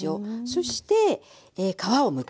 そして皮をむく。